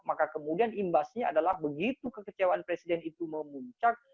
maka kemudian imbasnya adalah begitu kekecewaan presiden itu memuncak